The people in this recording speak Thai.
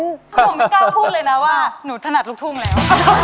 เขาบอกไม่กล้าพูดเลยนะว่าหนูถนัดลูกทุ่งแล้ว